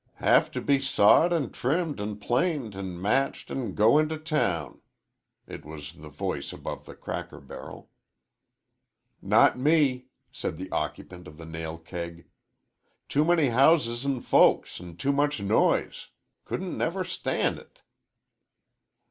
"Have t' be sawed an' trimmed an' planed an' matched an' go into town." It was the voice above the cracker barrel. "Not me," said the occupant of the nail keg. "Too many houses an' folks an' too much noise. Couldn't never stan' it."